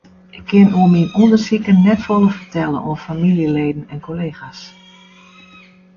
Ik kin oer myn ûndersiken net folle fertelle oan famyljeleden en kollega's.